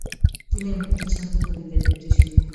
তিনি মুক্তছন্দে কবিতা লিখতে শুরু করেন।